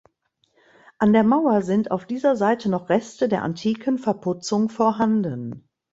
An der Mauer sind auf dieser Seite noch Reste der antiken Verputzung vorhanden.